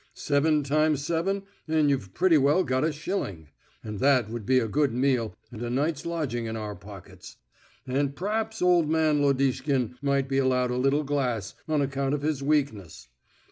Seven times seven, and you've pretty well got a shilling, and that would be a good meal and a night's lodging in our pockets, and p'raps, old man Lodishkin might be allowed a little glass on account of his weakness....